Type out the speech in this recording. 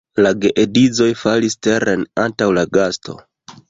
La geedzoj falis teren antaŭ la gasto.